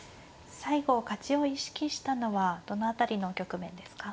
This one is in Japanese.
最後勝ちを意識したのはどの辺りの局面ですか。